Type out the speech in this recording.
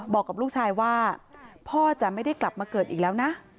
บอกกับลูกชายว่าพ่อจะไม่ได้กลับมาเกิดอีกแล้วนะ